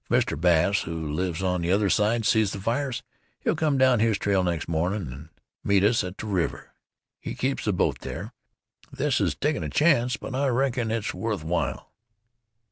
If Mr. Bass, who lives on the other side, sees the fires he'll come down his trail next mornin' an' meet us at the river. He keeps a boat there. This is takin' a chance, but I reckon it's worth while."